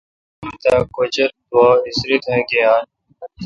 آں آ۔۔تاکچردووا، اِسری تا گیال۔